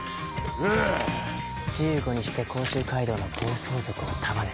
１５にして甲州街道の暴走族を束ねた。